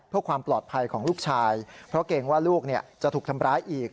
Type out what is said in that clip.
เพื่อความปลอดภัยของลูกชายเพราะเกรงว่าลูกจะถูกทำร้ายอีก